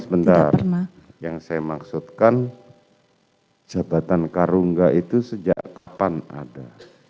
sebentar yang saya maksudkan jabatan karungga itu sejak kapan ada